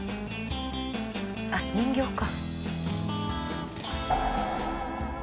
あっ人形か。